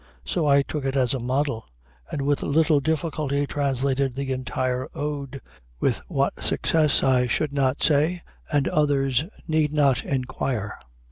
So I took it as a model, and with little difficulty translated the entire ode with what success I should not say and others need not inquire.